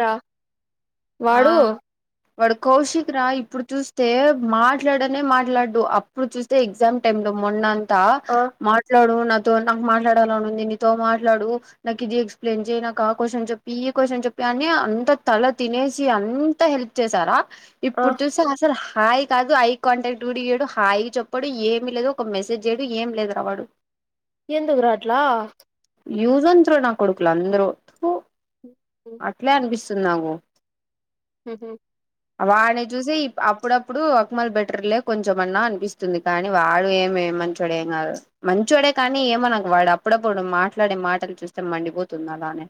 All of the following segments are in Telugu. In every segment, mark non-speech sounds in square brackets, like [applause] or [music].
రా ఆ వాడు వాడు కౌషిక్ రా ఇప్పుడు చూస్తే మాట్లాడనే మాట్లాడ్డు అప్పుడు చూస్తే ఎగ్జామ్ టైమ్ లో మొన్నం త ఆ మాట్లాడు నా తో నాకు మాట్లాడాలనుంది నీతో మాట్లాడు నాకు ఇది ఎక్స్ప్లెయిన్ చేయి నాకు ఆ క్వశ్చన్ చెప్పి ఈ క్వశ్చన్ చెప్పి అనీ అంత తల తినేసి అంత హెల్ప్ చేసారా ఆ ఇప్పుడు చూసే అసలు హాయ్ కాదు ఐ కాంటాక్ట్ గుడా ఇయ్యడు హాయ్ చెప్పడు ఏమి లేదు ఒక మెసేజ్ చెయడు ఏం లేదు రా వాడు ఎందుకురా అట్లా యూజన్త్రో నా కొడుకులు అందరు అట్లే అనిపిస్తుంది నాకు వాన్ని చూసి అప్పుడప్పుడు అక్మల్ బెటర్లే కొంచెమన్నా అనిపిస్తుంది కానీ వాడు ఏమేం మంచోడు ఏం గాదు మంచోడే కానీ ఏమనక్ వాడు అప్పుడప్పుడు మాట్లాడే మాటలు చూస్తే మండిపోతుందలానే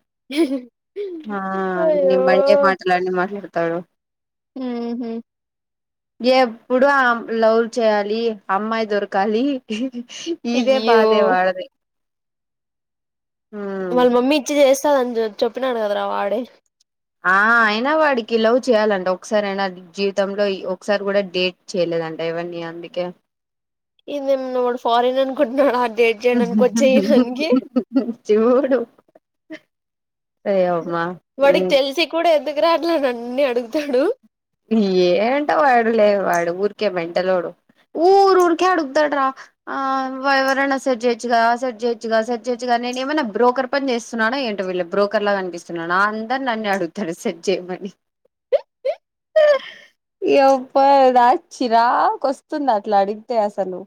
అయ్యో మళ్లీ మాట్లాడతాడు ఊహూ ఎప్పుడు ఆ లవ్ చేయాలి, అమ్మాయి దొరకాలి ఇదే అయ్యో బాధే వాడిది వాళ్ళ మమ్మీ ఇచ్చి చేస్తాదని చె చెప్పినాడు కదరా వాడే ఆ అయినా వాడికి లవ్ చేయ్యాలంట ఒకసారి అయినా జీవితంలో ఒకసారి కూడా డేట్ చేయలేద్ ట ఎవర్నీ అందుకే ఇదేమన్న వాడు ఫారన్ అనుకుంటున్నాడా ఆ డేట్ చేయడానికి వచ్చేయడానికి చూడు ఓయమ్మా వాడికి ఉమ్ తెలిసి కూడా ఎందుకు రాట్లేదన్నీ అడుగు ఏంటో వాడు లే వాడు ఊరికే మేంటలోడు ఊర్ ఊర్కే అడుగుతాడ్రా ఆ వ ఎవరన్న సెట్ చేయ్యోచ్చుగా సెట్ చేయ్యోచ్చుగా సెట్ చేయ్యోచ్చుగా నేనేమన్నా బ్రోకర్ పని చేస్తున్నానా ఏంటి వీళ్ళ బ్రోకర్ లాగా కనిపిస్తున్నానా అందరు నన్నే అడుగుతారు సెట్ చేయమని ఎవ్వ దా చిరాక్ వస్తుంది అట్లా అడిగితే అసలు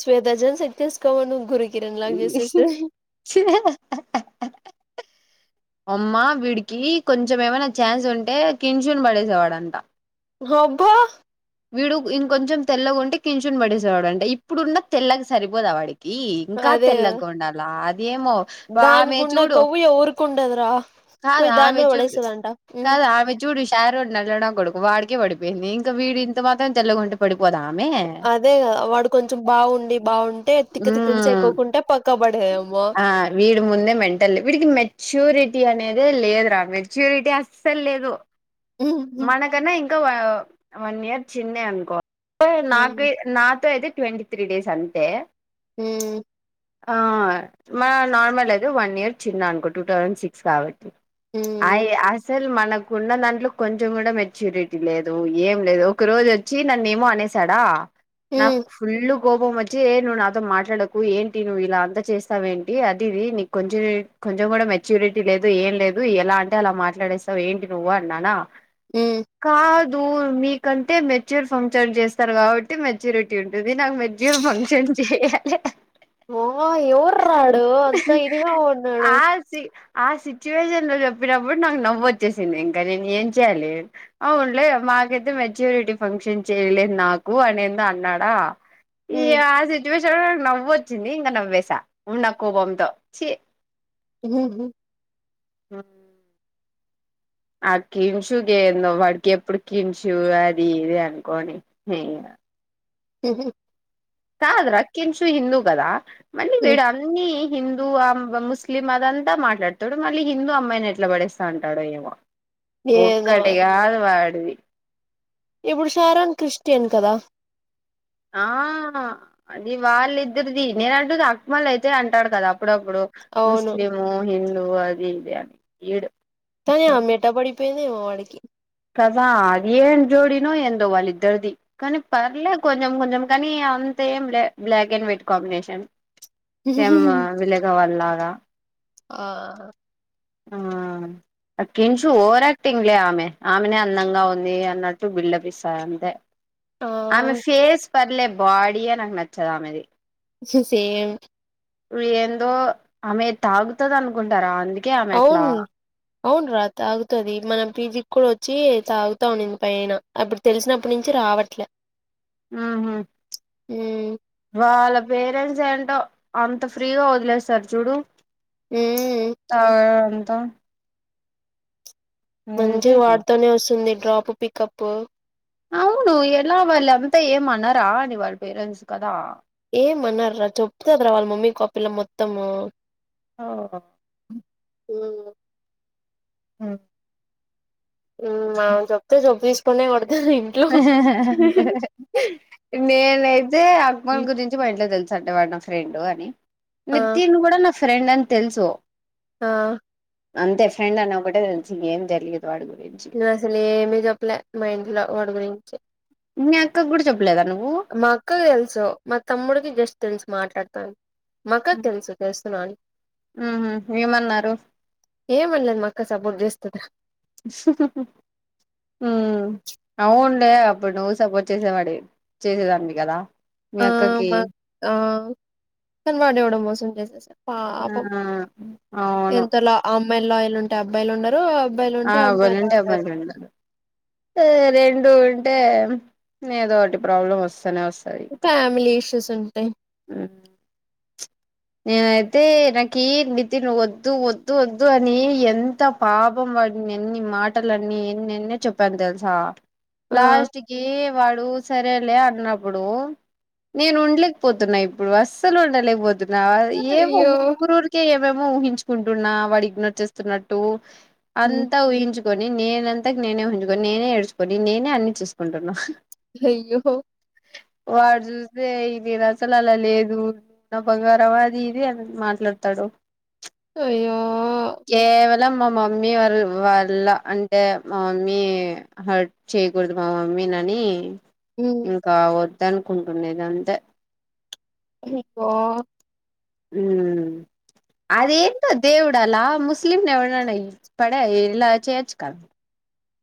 శ్వేతజెన్ సెట్ చేసుకోమను గురు కిరణ్ లాగ చేసేస్ అమ్మ వీడికి కొంచెం ఏమైనా ఛాన్స్ ఉంటే కిన్శున్ పడేసేవాడంట హబ్బ వీడు ఇంకొంచెం తెల్లగుంటే కిన్శును పడిసేవాడు అంట ఇప్పుడున్న తెల్లగా సరిపోదా వాడికి ఈ ఇంకా అదే కదా తెల్లగుండాల అద్ దానికున్న కొవ్వు ఎవ్వరికుండదురా కాద్ ఆమె చూడు కాద్ ఆమె చూడు షారోన్ నల్లా నా కొడుకు వాడికే పడిపోయ్ ది ఇంకా వీడింత మాత్రం తెల్లగుంటే పడి అదేగా వాడు కొంచెం బాగుండి బాగుం ఉమ్ పడేదేమో ఆ వీడి ముందే మెంటల్ వీడికి మెచ్యూరిటీ అనేది దే లేదు రా మెచ్యూరిటీ అస్సలు లేదు మనకన్నా ఇంకా వా వన్ ఇయర్ చిన్నే అనుకోవా నాకు నాతో అయితే ట్వంటీ త్రీ డేస్ అంతే ఉ మన నార్మల్ అది వన్ ఇయర్ చిన్న అనుకో టూ థౌజండ్ సిక్స్ కాబట్టి అయి అసలు మనకున్న దాంట్లో కొంచెం కూడా మెచ్యూరిటీ లేదు ఏం లేదు ఒక రోజు వచ్చి నన్న ఏమో అనేసాడా నాకు ఫుల్ కోపం వచ్చి ఏ నువ్వు నాతో మాట్లాడకు ఏంటి నువ్వు ఇలా అంత చేస్తావ ఏంటి అది ఇది నీకు కొంచెం కొంచెం కూడా మెచ్యూరిటీ లేదు ఏం లేదు ఎలా అంటే అలా మాట్లాడేస్తావు ఏంటి నువ్వు అన్నానా కాదు మీకంటే మెచ్యూర్ ఫంక్షన్ చేస్తారు కాబట్టి మెచ్యూరిటీ ఉంటుంది నాకు మెచ్యూ ఫంక్షన్ చేయలే ఆహ ఎవరు రాడు అంతా ఇదిగా ఉన్నాడు ఆ సి ఆ సిచ్యువేషన్ లో చెప్పినప్పుడు నాకు నవ్ వచ్చేసింది ఇంకా నేను ఏం చెయ్యాలి అవునులే మాకైతే మెచ్యూరిటీ ఫంక్షన్ చేయలేదు నాకు అనేందు అన్నాడా ఈయ సిచువేషన్ నవ్వొచ్చింది ఇంకా నవ్వేసా ఉన్న కోపంతో చ ఉ హు ఉ ఆ కించు ఏందో వాడికి ఎప్పుడు కించు అది ఇది అనుకోని ఉ హు కాదురా కింగ్షు హిందు గదా మళ్ళీ వీడు అన్ని హిందూ ముస్లిం అదంతా మాట్లాడుతాడు మళ్ళీ హిందూ అమ్మాయిని ఎట్లా పడేస్తా ఉంటాడు ఏమో ఏదో ఒక్కటి కాదు వాడిది ఇప్పుడు షారాన్ క్రిస్టియన్ కదా ఆ అది వాళ్ళిద్దరిది నేనంటు అక్మళ అయితే అంటాడు కదా అప్పుడప్పుడు అవును ముస్లిము హిందూ అది ఇది అని ఈడు కానీ ఆమే ఎట పడిపోయిందమో వాడికి కదా అది ఏం జోడినో ఏందో వాళ్ళ ఇద్దరిది కానీ పర్లేదు కొంచెం కొంచెం కానీ అ ఏం black and white combination same విలుగ వాల్ లాగా ఆ ఆ కించు ఓవర్ యాక్టింగ్ లే ఆమె ఆమెనే అందంగా ఉంది అన్నట్టు బిల్డప్ ఇస్తది అంతే ఆ ఆమె ఫేస్ పర్లే బాడీయే నాకు నచ్చదు ఆమెది సేమ్ ఏందో ఆమె తాగుతుంది అనుకుంటారా అందుకే ఆమె అట్లా అవును అవును రా తాగుతది మనం పీజి కూడా వచ్చి తాగుతా అనింది పైన అప్పుడు తెలిసినప్పటి నుంచి రావట్లే ఆ హా ఉ వాళ్ళ పేరెంట్స్ ఏంటో అంత ఫ్రీగా వదిలేస్తారు చూడు ఉ అంతో మంచి వాటితోటే వస్తుంది డ్రాప్ పికపు అంత ఏమన్నారా అనీ వాళ్ళ పేరెంట్స్ కదా ఏమన్నార చెప్తార చెపుతారా వాళ్ళ మమ్మీ కీ మొత్తము ఓ హు ఉ హు ఆమె చెప్తే చొప్పు తీసుకొనే కొడు నేనైతే అక్మల్ ఉమ్. గురించి మా ఇంట్లో తెలుసు అంట వాడు నా ఫ్రెండ్ అని ఆ నితిన్ కూడా నా ఫ్రెండ్ అని తెలుసు ఆ అంతే ఫ్రెండ్ అని ఒకటే తెలుసు ఇంగా ఏం తెలియదు వాడి గురించి నేను అసలు ఏమి చెప్పలే మా ఇంట్లో వాడి గురించి మీ అక్కకు కూడా చెప్ మా అక్కకి తెలుసు మా తమ్ముడికి జస్ట్ తెలుసు మాట్లాడతా అని మా అక్కకి తెలుసు చేస్తున్న అని ఉహు ఏమన్నారు ఏం అండ్లే మా అక్క సపోర్ట్ చేస్తదిరా ఉమ్ అవున్లే అప్పుడు నువ్వు సపోర్ట్ చేసేవాడివి చేసేదాన్నివి కదా మీ ఆ అక్కకి మా ఆ కాని వాడేవడో మోసం చేసేసిండు ఆ పాపం అవును ఎంతల అమ్మాయిలు లాయల్ ఉంటే అబ్బాయిలు ఉండరు అబ్బాయిలు ఆ ఉంటే అమ్మాయిలు రెండు ఉండరు వుం టే ఏదోటి ప్రాబ్లం వస్తేనే వస్తది ఫ్యామిలీ ఇష్యూస్ ఉంటాయి ఉ నేనైతే నాకి నితిన్ వద్దు వద్దు వద్దు అని ఎంత పాపం వాడిని ఎన్ని మాటలన్నీ ఎన్నెన్నో చెప్పాను తెలుసా ఆ లాస్ట్ కి వాడు సరేలే అన్నప్పుడు నేను ఉండలేకపోతున్నా ఇప్పుడు అస్సలు ఉండలేకపోతున్నా ఏమో అయ్యో ఊరుఊరికే ఏమేమో ఊహించుకుంటున్నా వాడు ఇగ్నోర్ చేస్తున్నట్టు హ్మ్ అంతా ఊహించు కొని నేనంతా నేనే ఊహించుకొని నేనే ఎడుచుకొని నేనే అన్ని చూసుకుంటున్నా అయ్యో వాడు చూస్తే ఇది నేను అసలు అలా లేదు నా బంగారం అది ఇది అని మాట్లాడతాడు అయ్యో కేవ లం మా మమ్మీ వల్ వల్ల అంటే మా మమ్మీ హర్ట్ చేయకూడదు మా మ మ్మీని అని హ్మ్ ఇంకా వద్ద అనుకుంటున్న ఇగా అంతే ఇకో ఉమ్ అదేంటో దేవు ఇల ముస్లింను ఎవడినన్నా పడే ఇలా చేేయోచ్చు కదా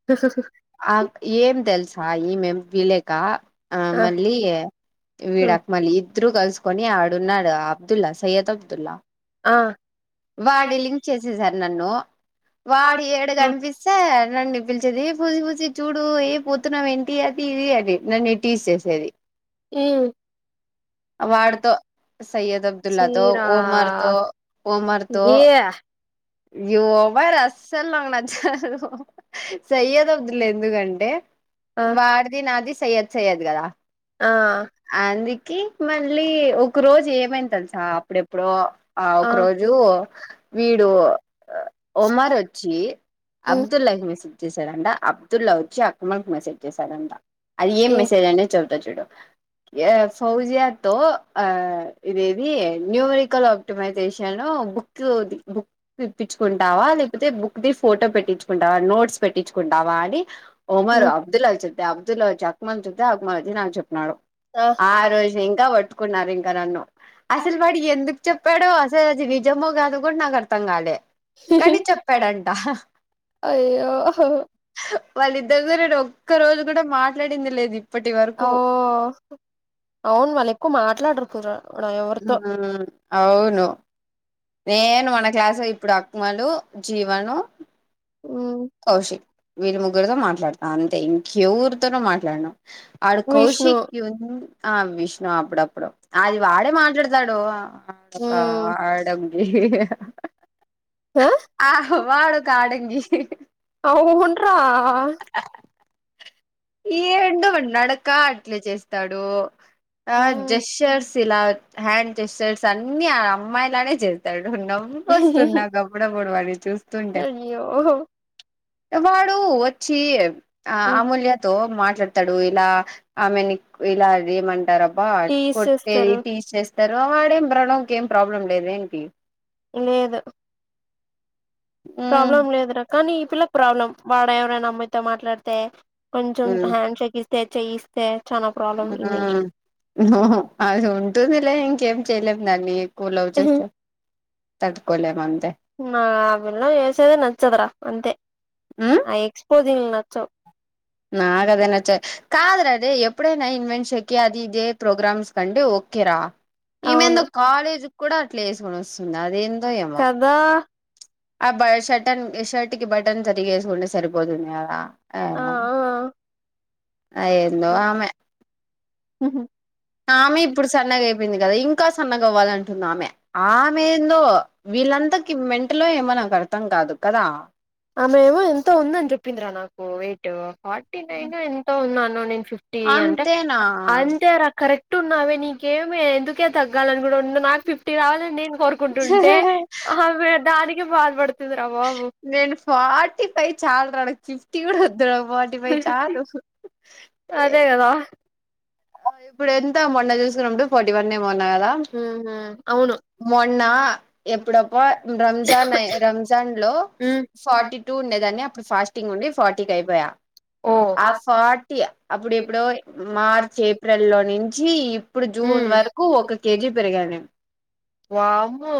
స స ఆ ఏం తెల్సా ఈ మేం విలేక ఆ మళ్ళీ హ్మ్ విడాక్ మళ్ళీ ఇ ఇద్దరు కలుసుకొని ఆడున్నాడు అబ్దుల్లా సయ్యద్ అబ్దుల్లా ఆ వాడి లింక్ చేసేసారు నన్ను వాడి ఏడా ఉమ్ కనిపిస్తే నన్ను పిలిచేది పూజి పూజి చూడు ఏ పోతున్నావు ఏంటి అది ఇది అని నన్ను టీజ్ చేసేది హు వాడుతో సయ్యద్ అబ్దుల్లా తో చీరా ఓమర్తో ఓమర్తో ఏ ఓబర్ అస్సలు నాకు నచ్చడు సయ్యద్ అబ్దుల్లా ఎందుకంటే ఆ వాడిది నాది సయ్యద్ సయ్యద్ కదా ఆ అందుకే మళ్ళీ ఒక రోజు ఏమైనా తెలుసా అప్పుడెప్పుడో ఆ ఒక రోజు వీడు ఒమర్ వచ్చి ఉమ్ అబ్దుల్ లైఫ్ [unintelligible] చేశారంట అబ్దుల్లా వచ్చి అక్మల్కి మెసేజ్ చేశాడంట అది ఏ ఏం మెసేజ్ అనే చ చెప్త చుడు ఏ ఫౌజియా తో ఆ ఇదేది న్యూమరికల్ ఆప్టిమైజేషన్ బుక్ బు ఇప్పించుకుంటావ లేకపోతే బుక్ ది ఫోటో పెట్టించుకుంటావా నోట్స్ పెట్టించుకుంటావ అని ఒమరు ఉమ్ అబ్దుల్ అవి చద్ద అబ్దుల్లావజీ అక్మ చుద్ద అక్కమాల్ నాకు చెప్న్నాడు ఆ రోజు నింక పట్టుకున్నారు ఇంకా నన్ను అసలు వాడు ఎందుకు చెప్పాడో అసలు అది నిజమో కాదు కూడ నాకు అర్థం కాలే కానీ చెప్పాడంట అయ్యో వాళ్ళిద్దరతో ఒక్క రోజు కూడ మాట్లాడింది లేదు ఇప్పటి ఓ వరకు అవును వాళ్ళు ఎక్కువ మాట్లాడరు కుర అవును నేను మన క్లాసు ఇప్పుడు అ అక్మలు జీవను ఉ కౌశిక్ వీళ్ళ ముగ్గురితో మాట్లాడుతా అంతే ఇంక ఎవరితోనూ మాట్లాడును అడు విష్ణు కౌశకి ఉ ఆ విష్ణు అప్పుడు అప్పుడు అది వా మాట్లాడతాడు ఒక ఉమ్ ఆడంగి ఆ వాడు ఒక ఆడంగి అవున్డ్రా ఏందో వీడు నడక అట్లే చేస్తాడు ఆ ఉమ్ జషర్స్ ఇలా హ్యాండ్ చెస్షర్ట్స్ అన్ని ఆ అమ్మాయిలానే చేస్తాడు నవ్వు [unintelligible] [unintelligible] అయ్యో వాడు వచ్చి అమూల్యతో మాట్లాడతాడు ఇలా ఆమెని ఇలా అది ఏమంటారబ్బా టీస్ కొట్టేది చేస్తారు టీజ్ తెర్వావాడేం [unintelligible] ఏం ప్రాబ్లం లేదు ఎంటి లేదు మ్మ్ ప్రాబ్లం లేదురా కానీ ఈ పిల్లకి ప్రాబ్లం వాడ ఎవరైనా అమ్మాయితో మాట్లాడితే కొంచెం మ్మ్ హ్యాండ్షేక్ ఇస్తే చెయ్యిస్తే చానా ప్రాబ్లం ఈమెకి అది ఉంటూందిలే ఇంకేం చెయలేం దాన్ని [unintelligible] చేస్తే తట్టుకోలేమ అ పిల్ల చేసేదే నచ్చదురా అంతే ఎక్స్పో జింగ్ నచ్చవ్ నాగదే నచ్చ కాద్రదే ఎప్పుడైనా ఇన్వెన్షకి అది ఇదే ప్రోగ్రామ్స్ కండి ఈమె ఏందో అవును కాలేజీ కి కూడా అట్లే వేసుకొని వస్తుంది అదే కదా ఆ బ షర్టన్ షర్ట్ కి బటన్ సరిగ వేసుకుంటే సరిపోతుంది కదా ఆ ఆ అయెందో ఆమె ఉ ఆమె ఇప్పుడు సన్నగా అయిపోయింది కదా ఇంకా సన్నగా అవ్వాలంటుంది ఆమె ఆమె ఏందో ఆ వీళ్ళంతకి మెంటలో ఏమో [unintelligible] అర్థం కాదు కదా ఆమె ఎమొ ఎంతో ఉంద అని చెప్పిందిరా నాకు వెయిట్ ఫార్టీ నైన్ ఎంతో ఉంది అనోనీ ఫిఫ్టీ అంటే అంతేనా అంతే రా కరెక్ట్ ఉన్నావే నీకేమి ఎందుకే తగ్గాలని కూడా ఉ నాకు ఫిఫ్టీ రావాలండి నేను కోరుకుంటుంటే ఆమె దానికి బాధపడుతుంది రా బాబు నేను ఫార్టీ ఫైవ్ చాలా రాడా ఫిఫ్టీ కూడా వ వద్దు రా ఫార్టీ పైఫ్ చాలు అదే కదా ఇప్పుడు ఎంత మొన్న చూసుకున్నప్పుడు ఫార్టీ వన్ ఏమో అన్నా కదా ఉహు అవును మొ అన్నా ఎప్పుడోప్ప రంజాన్ రంజాన్ లో ఉమ్ ఫార్టీ టూ ఉండేదాన్ని అప్పుడు ఫాస్ట్ ఉండి ఫార్టీకి అయిపోయా ఓ ఆ ఫార్టీ అప్పుడు ఎప్పుడో మార్చ్ ఏప్రిల్ లో నుంచి ఇప్పుడు జూన్ ఉమ్ వరకు ఒక కేజీ పెరిగాను నేను వామొ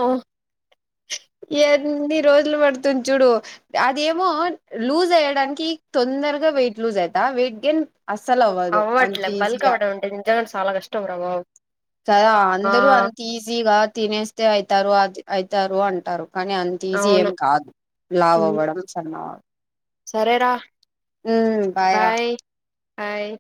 పడుతం చూడు అదేమో లూజ్ అయడానికి తొందర వేయిట్లూజ వెయిట్ గెన్ అసలు అవ్వదు అంత ఈజీ అవడం అంటే చాలా కష్టం రా బాబు కదా ఆ అందరు అంత ఈజీగా తినేస్తే అవుతారు అది అయితారు అంటారు కానీ అంత ఈజీ అవును ఏం కాదు లావ్ ఉమ్, అవ్వడం సన్న సరేరా ఉ బాయ్ రా హాయ్